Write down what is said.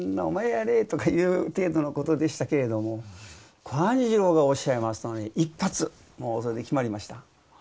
お前やれ」とかいう程度のことでしたけれども寛次郎がおっしゃいますとね一発もうそれで決まりました。